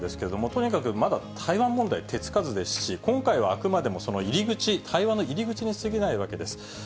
とにかくまだ台湾問題、手付かずですし、今回はあくまでもその入り口、対話の入り口にすぎないわけです。